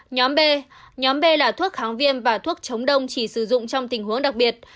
nhóm b nhóm b là thuốc kháng viêm và thuốc chống đông chỉ sử dụng trong tình huống đặc biệt